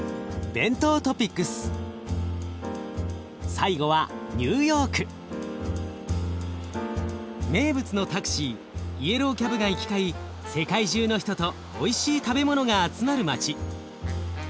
最後は名物のタクシーイエローキャブが行き交い世界中の人とおいしい食べ物が集まる街。